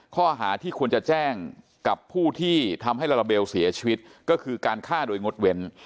ข้อหาที่ควรจะแจ้งกับผู้ที่ทำให้ลาลาเบลเสียชีวิตก็คือการฆ่าโดยงดเว้น